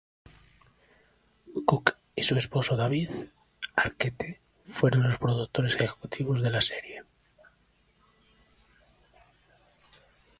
Cox y su esposo David Arquette fueron los productores ejecutivos de la serie.